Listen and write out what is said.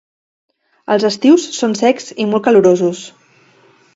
Els estius són secs i molt calorosos.